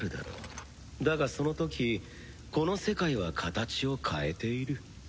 だがその時この世界は形を変えている。